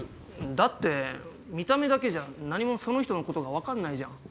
だって見た目だけじゃ何もその人のことが分かんないじゃん。